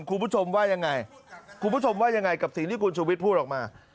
คุณผู้ชมว่ายังไงคุณผู้ชมว่ายังไงกับสิ่งที่คุณชูวิทย์พูดออกมา